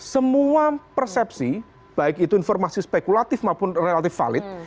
semua persepsi baik itu informasi spekulatif maupun relatif valid